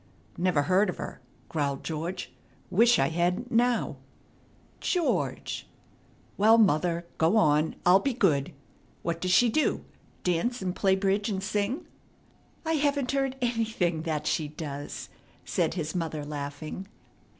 "Never heard of her," growled George. "Wish I hadn't now." "George!" "Well, mother, go on. I'll be good. What does she do? Dance, and play bridge, and sing?" "I haven't heard anything that she does," said his mother, laughing.